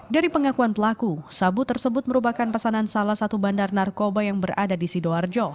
dari pengakuan pelaku sabu tersebut merupakan pesanan salah satu bandar narkoba yang berada di sidoarjo